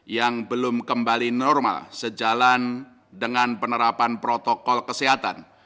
yang belum kembali normal sejalan dengan penerapan protokol kesehatan